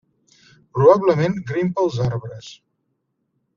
Probablement grimpa als arbres.